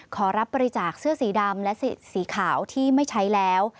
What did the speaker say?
ขอรับบริจาคเสื้อสีดำและสีขาวที่ไม่ใช้แล้ว